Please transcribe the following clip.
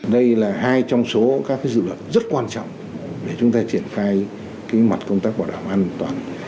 đây là hai trong số các dự luật rất quan trọng để chúng ta triển khai mặt công tác bảo đảm an toàn